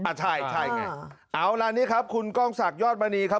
อ่ะใช่ใช่ไงเอาแล้วนี้ครับคุณกล้องสักยอดมณีครับ